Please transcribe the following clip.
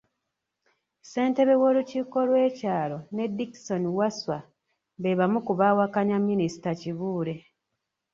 Ssentebe w'olukiiko lw'ekyalo ne Dickson Wasswa be bamu ku baawakanya Minisita Kibuule.